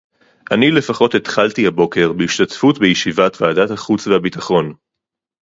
אני לפחות התחלתי הבוקר בהשתתפות בישיבת ועדת החוץ והביטחון